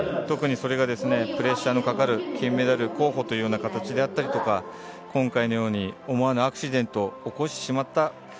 特にそれがプレッシャーのかかる金メダル候補というような形であったりとか今回のように思わぬアクシデントを起こしてしまった。